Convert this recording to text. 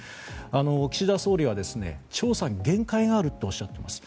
岸田総理は調査に限界があるとおっしゃっています。